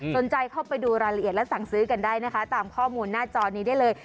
สนใจเข้าไปดูรายละเอียดและสั่งซื้อกันได้นะคะตามข้อมูลหน้าจอนี้ได้เลย